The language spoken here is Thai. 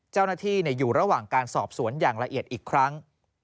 เจ้าหน้าที่อยู่ระหว่างการสอบสวนอย่างละเอียดอีกครั้ง